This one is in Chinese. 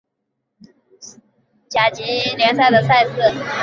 球队现在参加罗马尼亚足球甲级联赛的赛事。